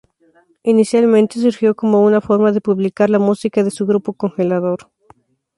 Inicialmente surgió como una forma de publicar la música de su grupo Congelador.